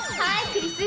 クリス。